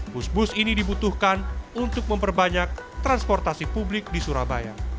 bus bus ini dibutuhkan untuk memperbanyak transportasi publik di surabaya